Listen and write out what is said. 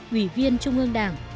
quỷ viên trung ương đảng